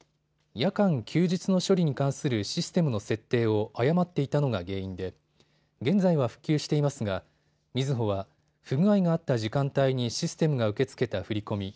夜間・休日の処理に関するシステムの設定を誤っていたのが原因で現在は復旧していますがみずほは不具合があった時間帯にシステムが受け付けた振り込み